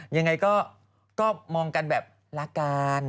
ยังไงก็ก็มองแบบรักกล่าว